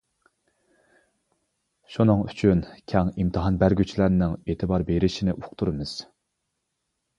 شۇنىڭ ئۈچۈن كەڭ ئىمتىھان بەرگۈچىلەرنىڭ ئېتىبار بېرىشىنى ئۇقتۇرىمىز.